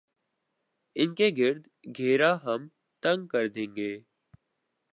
ان کے گرد گھیرا ہم تنگ کر دیں گے۔